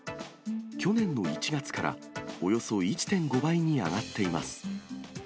去年の１月からおよそ１．５倍に上がっています。